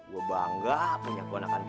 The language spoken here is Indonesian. gue bangga punya keuangan kayak lo